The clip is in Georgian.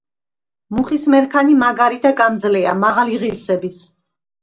მუხის მერქანი მაგარი და გამძლეა, მაღალი ღირსების.